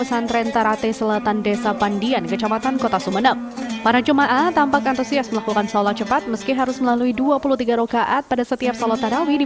saya biasa saja karena memang saya itu sudah terbiasa seperti ini